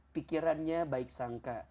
pikirannya baik sangka